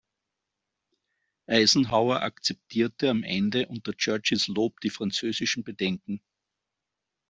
Eisenhower akzeptierte am Ende unter Churchills Lob die französischen Bedenken.